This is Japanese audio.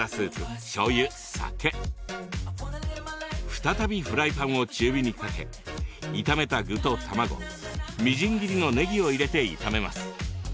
再びフライパンを中火にかけ炒めた具と卵みじん切りのねぎを入れて炒めます。